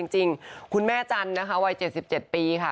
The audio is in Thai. จริงคุณแม่จันทร์นะคะวัย๗๗ปีค่ะ